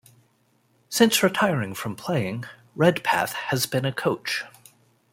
Since retiring from playing, Redpath has been a coach.